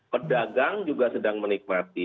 pedagang juga sedang menikmati